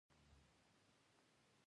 دګلابي ، سپینو ګلونو کروندې کرې